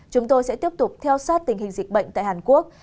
chúng tôi sẽ tiếp tục theo sát tình hình dịch bệnh tại hàn quốc